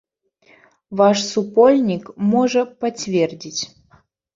Ваш супольнік можа пацвердзіць.